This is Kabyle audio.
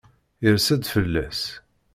Irs-d fell-as.